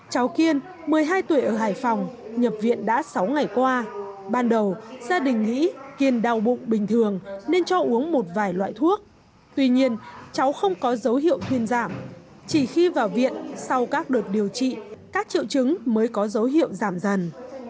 cháu kiên một mươi hai tuổi ở hải phòng nhập viện đã sáu ngày qua ban đầu gia đình nghĩ kiên đau bụng bình thường nên cho uống một vài loại thuốc tuy nhiên cháu không có dấu hiệu thuyên giảm chỉ khi vào viện sau các đợt điều trị các triệu chứng mới có dấu hiệu giảm dần